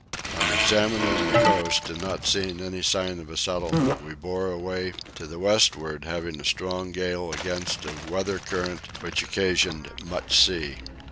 On examining the coast and not seeing any sign of a settlement we bore away to the westward having a strong gale against a weather current which occasioned much sea.